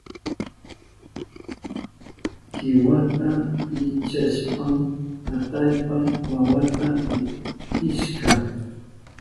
Kiwata pichashpan atallpa wawata pitishka.